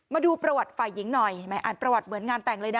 มาดูประวัติฝ่ายหญิงหน่อยอ่านประวัติเหมือนงานแต่งเลยนะ